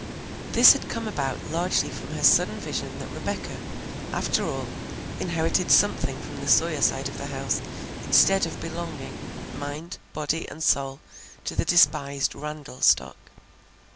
This had come about largely from her sudden vision that Rebecca, after all, inherited something from the Sawyer side of the house instead of belonging, mind, body, and soul, to the despised Randall stock.